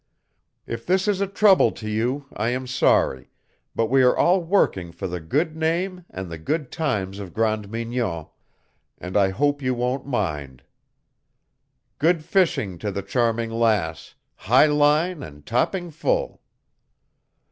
"If this is a trouble to you I am sorry, but we are all working for the good name and good times of Grande Mignon, and I hope you won't mind. Good fishing to the Charming Lass, high line and topping full!